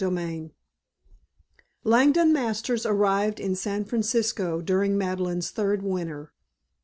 VII Langdon Masters arrived in San Francisco during Madeleine's third winter.